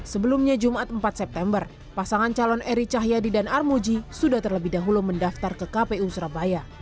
sebelumnya jumat empat september pasangan calon eri cahyadi dan armuji sudah terlebih dahulu mendaftar ke kpu surabaya